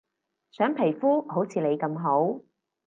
想皮膚好似你咁好